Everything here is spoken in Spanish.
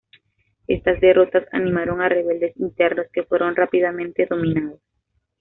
Estas derrotas animaron a rebeldes internos, que fueron rápidamente dominados.